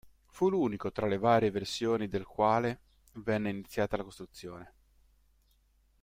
Fu l'unico tra le varie versioni del quale venne iniziata la costruzione.